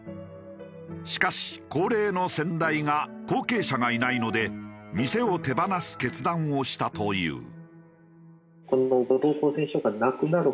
しかし高齢の先代が後継者がいないので店を手放す決断をしたという。